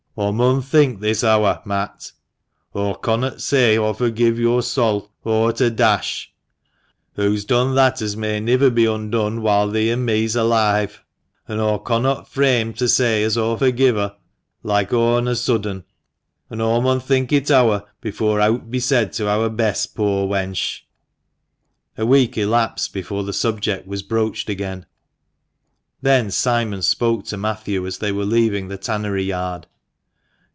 "Aw mun think this ower, Matt. Aw connot say aw furgive yo'r Sail o' at a dash. Hoo's done that as may niver be undone 56 THE MANCHESTER MAN. whoile thee an' me's alive; an' aw connot frame to say as aw furgive her loike o' on a sudden. An' aw mun think it ower before eawt be said to eawr Bess, poor wench !" A week elapsed before the subject was broached again. Then Simon spoke to Matthew as they were leaving the tannery yard.